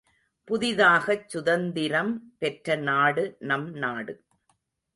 புதிதாகச் சுதந்திரம் பெற்ற நாடு நம் நாடு.